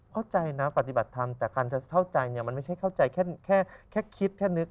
เข้าใจนะปฏิบัติธรรมแต่การจะเข้าใจเนี่ยมันไม่ใช่เข้าใจแค่คิดแค่นึก